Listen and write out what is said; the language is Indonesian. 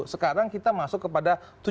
sekarang kita masuk kepada